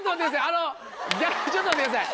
あのちょっと待ってください。